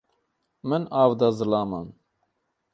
Min av da zilaman.